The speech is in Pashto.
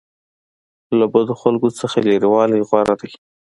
له بدو خلکو څخه لرې والی غوره دی.